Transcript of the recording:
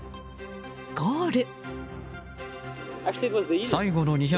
ゴール。